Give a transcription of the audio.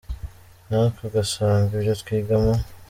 natwe ugasanga ibyo twiga mu.